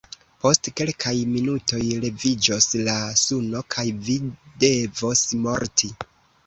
Post kelkaj minutoj leviĝos la suno kaj vi devos morti!